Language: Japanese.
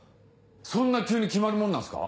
そんな急に決まるもんなんすか？